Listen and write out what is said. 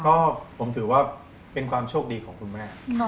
ก็ผมถือว่าเป็นความโชคดีของคุณแม่